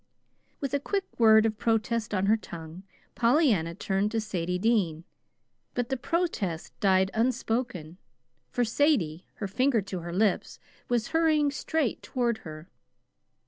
With a quick word of protest on her tongue, Pollyanna turned to Sadie Dean. But the protest died unspoken, for Sadie, her finger to her lips, was hurrying straight toward her.